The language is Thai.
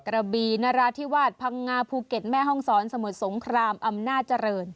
กระบีนราธิวาสพังงาภูเก็ตแม่ห้องศรสมุทรสงครามอำนาจเจริญ